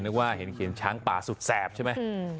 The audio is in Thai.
นึกว่าเคินช้างป่าสุดแสบใช่ไหม